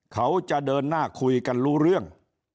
เขาจะเดินหน้าคุยกันรู้เรื่อง